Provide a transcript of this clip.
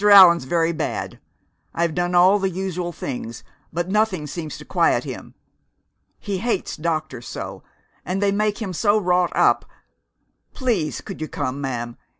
Allan's very bad. I've done all the usual things, but nothing seems to quiet him. He hates doctors so, and they make him so wrought up please could you come, ma'am?